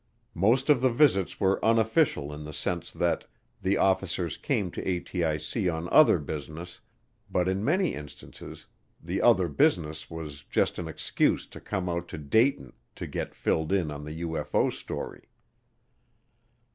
Most of the visits were unofficial in the sense that the officers came to ATIC on other business, but in many instances the other business was just an excuse to come out to Dayton to get filled in on the UFO story.